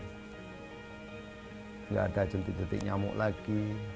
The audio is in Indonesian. tidak ada jentik jentik nyamuk lagi